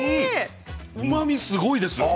うまみがすごいです。